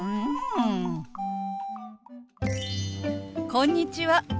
こんにちは。